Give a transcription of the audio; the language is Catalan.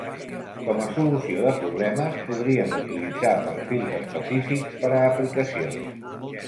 Com a solució de problemes, podríem utilitzar perfils específics per a aplicacions.